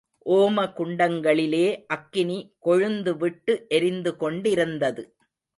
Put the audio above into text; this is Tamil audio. ஓம குண்டங்களிலே அக்கினி கொழுந்து விட்டு எரிந்துகொண்டிருந்தது.